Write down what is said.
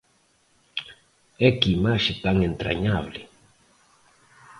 E que imaxe tan entrañable!